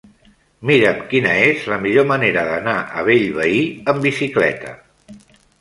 Mira'm quina és la millor manera d'anar a Bellvei amb bicicleta.